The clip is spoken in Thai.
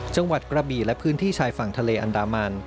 จังหวัดกระบีและพื้นที่ชายฝั่งทะเลอันดามัน